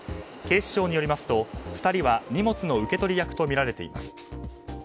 警視庁によりますと２人は荷物の受け取り役とみられています。